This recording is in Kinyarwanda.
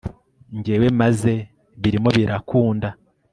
ngewe maze birimo birakunda